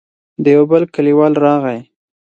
يو بل کليوال راغی.